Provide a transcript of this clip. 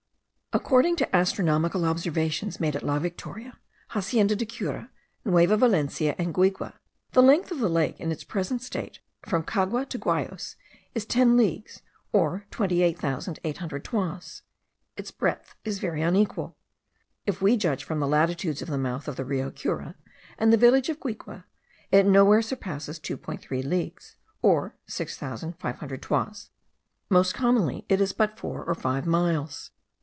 According to astronomical observations made at La Victoria, Hacienda de Cura, Nueva Valencia, and Guigue, the length of the lake in its present state from Cagua to Guayos, is ten leagues, or twenty eight thousand eight hundred toises. Its breadth is very unequal. If we judge from the latitudes of the mouth of the Rio Cura and the village of Guigue, it nowhere surpasses 2.3 leagues, or six thousand five hundred toises; most commonly it is but four or five miles.